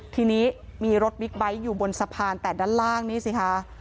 ทีนี้มีรถบิ๊กไบท์อยู่บนสะพานแต่ด้านล่างนี่สิคะ